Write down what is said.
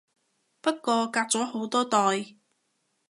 不過隔咗好多代